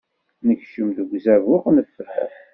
Nekcem deg uzabuq neffer.